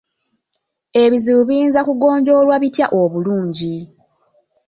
Ebizibu biyinza kugonjoolwa bitya obulungi?